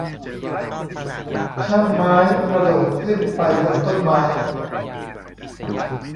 ช่างตัดไม้กระโดดขึ้นไปบนต้นไม้